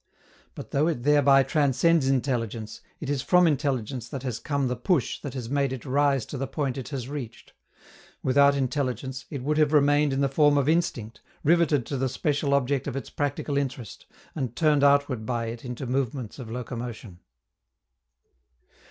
But, though it thereby transcends intelligence, it is from intelligence that has come the push that has made it rise to the point it has reached. Without intelligence, it would have remained in the form of instinct, riveted to the special object of its practical interest, and turned outward by it into movements of locomotion.